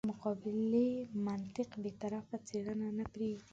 مقابلې منطق بې طرفه څېړنه نه پرېږدي.